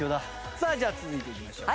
さあじゃあ続いていきましょう。